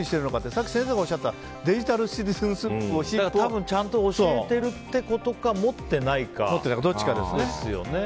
さっき先生がおっしゃったデジタル・シティズンシップを多分ちゃんと教えてるってことか持ってないかですよね。